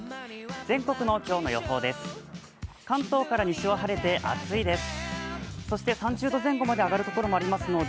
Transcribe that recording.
全国の今日の予報です。